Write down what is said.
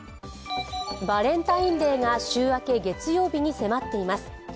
バレンタインデーが週明け月曜日に迫っています。